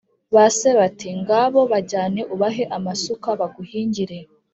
ba se bati: «ngabo bajyane ubahe amasuka baguhingire!»